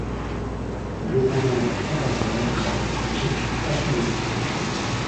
Il est un membre fondateur de la Société patriotique.